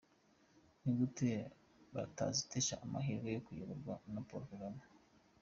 Ni gute batazitesha amahirwe yo kuyoborwa na Paul Kagame?.